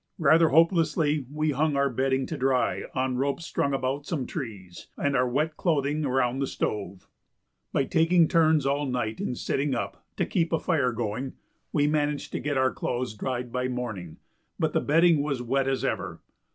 Rather hopelessly we hung our bedding to dry on ropes strung about some trees, and our wet clothing around the stove. By taking turns all the night in sitting up, to keep a fire going, we managed to get our clothes dried by morning, but the bedding was wet as ever.